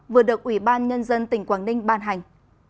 vừa được ủy ban nhân dân tỉnh quảng ninh ban hành